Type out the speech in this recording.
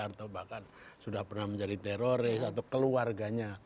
atau bahkan sudah pernah menjadi teroris atau keluarganya